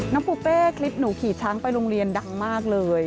ปูเป้คลิปหนูขี่ช้างไปโรงเรียนดังมากเลย